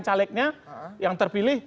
calegnya yang terpilih